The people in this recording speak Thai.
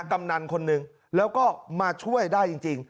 กำนันคนหนึ่งแล้วก็มาช่วยได้จริง